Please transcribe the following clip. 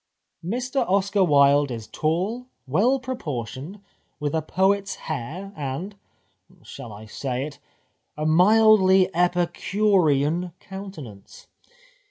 Mr Oscar Wilde is tall, well proportioned, with a poet's hair, and — shall I say it — a mildly epicurean countenance.